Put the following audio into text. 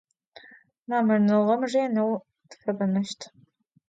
Mamırnığem rêneu tıfebeneşt.